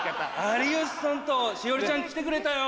有吉さんと栞里ちゃん来てくれたよ。